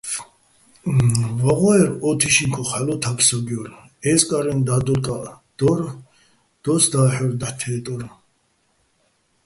ვაღო́ერ ო თიშიჼ ქოხ ჰ̦ალო̆ თაგ-საგჲო́რ, ე́ზკარენ და́დოლკაჸ დო́რ, დოს და́ჰ̦ორ, დაჰ̦ თე́ტორ.